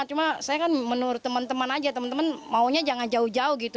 cuma saya kan menurut teman teman aja teman teman maunya jangan jauh jauh gitu